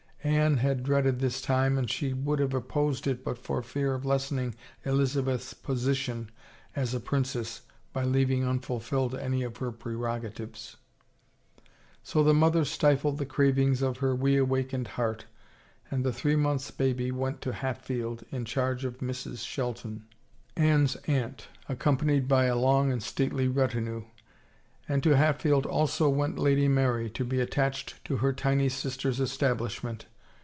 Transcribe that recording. Anne had dreaded this time and she would have opposed it but for fear of lessening Elizabeth's position as a princess by leaving unfulfilled any of her prerogatives. So the mother stifled the cravings of her reawakened heart and the three months' baby went to Hatfield in 282 t A RIVAL FLOUTED charge of Mrs. Shelton, Anne's aunt, accompanied by a long and stately retinue. And to Hatfield, also, went Lady Mary, to be attached to her tiny sister's establish ment.